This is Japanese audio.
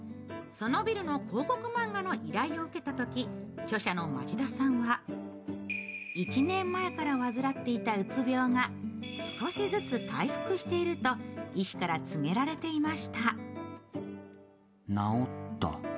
そのビルの広告漫画の依頼を受けたとき、著者の町田さんは１年前から患っていたうつ病が少しずつ回復していると医師から告げられていました。